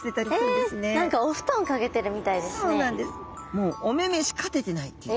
もうおめめしか出てないっていう。